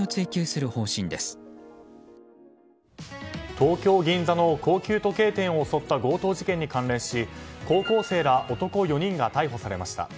東京・銀座の高級時計店を襲った強盗事件に関連し高校生ら男４人が逮捕されました。